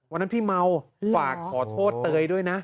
วันนั้นพี่เมาฝากขอโทษเตยด้วยนะ